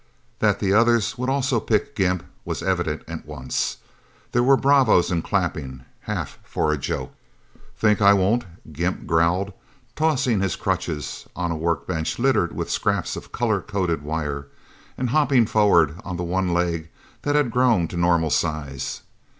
That the others would also pick Gimp was evident at once. There were bravos and clapping, half for a joke. "Think I won't?" Gimp growled, tossing his crutches on a workbench littered with scraps of color coded wire, and hopping forward on the one leg that had grown to normal size.